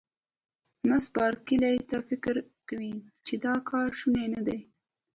مس بارکلي: ته فکر کوې چې دا کار شونی نه دی؟